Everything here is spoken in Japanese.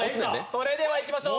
それではいきましょう！